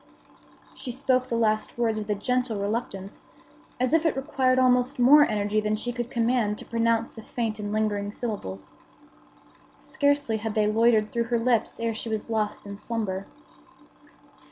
She spoke the last words with a gentle reluctance, as if it required almost more energy than she could command to pronounce the faint and lingering syllables. Scarcely had they loitered through her lips ere she was lost in slumber.